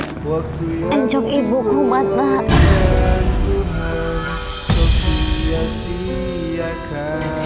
tencok ibu kumat nak